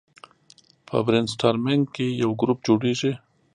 په برین سټارمینګ کې یو ګروپ جوړیږي.